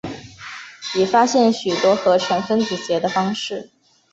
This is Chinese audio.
已发现许多合成分子结的方式。